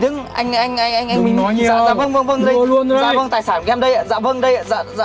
tĩnh anh anh anh anh mình nói nhiều vâng vâng vâng vâng vâng tài sản của em đây ạ dạ vâng đây ạ